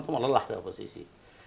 cuma lelah jadi oposisi